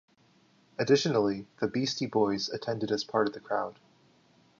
Additionally, the Beastie Boys attended as part of the crowd.